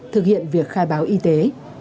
thực hiện việc khai báo y tế